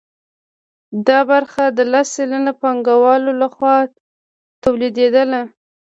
دا برخه د لس سلنه پانګوالو لخوا تولیدېدله